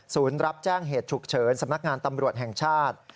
รับแจ้งเหตุฉุกเฉินสำนักงานตำรวจแห่งชาติ